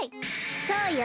そうよ！